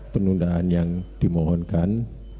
penundaan yang dimohonkan